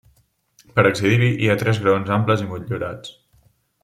Per accedir-hi hi ha tres graons amples i motllurats.